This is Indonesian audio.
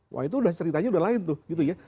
wah itu ceritanya udah lain tuh gitu ya